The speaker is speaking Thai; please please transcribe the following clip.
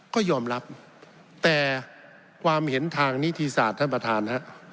ก็ยอมรับแต่ความเห็นทางนิติศาสตร์ท่านประธานฮะ